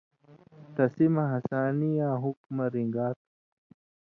تسی مہ ہسانی یاں حُکمہ رِن٘گا تھُو۔